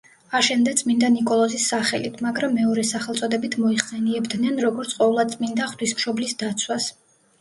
აშენდა წმინდა ნიკოლოზის სახელით, მაგრამ მეორე სახელწოდებით მოიხსენიებდნენ როგორც „ყოვლადწმინდა ღვთისმშობლის დაცვას“.